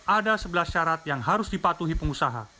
ada sebelas syarat yang harus dipatuhi pengusaha